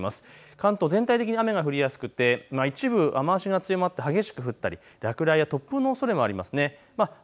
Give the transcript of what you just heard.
関東、全体的に雨が降りやすくて一部、雨足が強まって激しく降ったり、落雷や突風のおそれもありますね。